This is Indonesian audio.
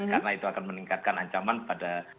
karena itu akan meningkatkan ancaman pada